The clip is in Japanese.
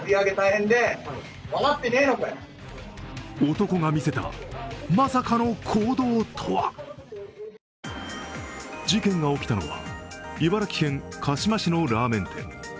男が見せたまさかの行動とは事件が起きたのは、茨城県鹿嶋市のラーメン店。